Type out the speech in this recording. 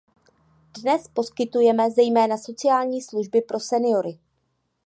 Dnes poskytuje zejména sociální služby pro seniory.